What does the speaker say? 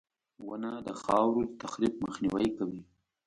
• ونه د خاورو د تخریب مخنیوی کوي.